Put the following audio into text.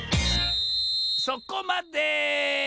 そこまで！